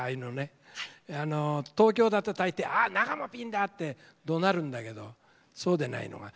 東京だと大抵「あっ中もピンだ！」ってどなるんだけどそうでないのが。